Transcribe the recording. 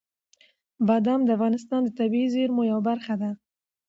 بادام د افغانستان د طبیعي زیرمو یوه برخه ده.